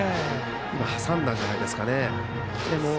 今、挟んだんじゃないですかね。